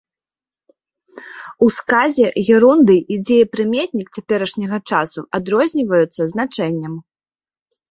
У сказе герундый і дзеепрыметнік цяперашняга часу адрозніваюцца значэннем.